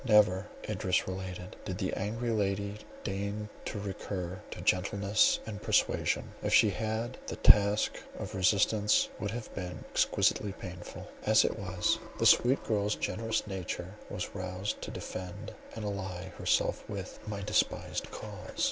Never, Idris related, did the angry lady deign to recur to gentleness and persuasion; if she had, the task of resistance would have been exquisitely painful. As it was, the sweet girl's generous nature was roused to defend, and ally herself with, my despised cause.